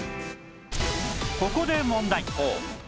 ここで問題